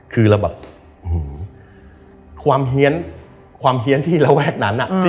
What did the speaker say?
คือแล้วแบบหื้อความเฮียนความเฮียนที่ระแวกนั้นอ่ะ